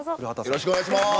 よろしくお願いします。